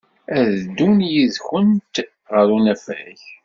Ad ddun yid-went ɣer unafag.